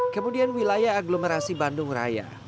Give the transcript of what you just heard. kemudian wilayah aglomerasi bandung raya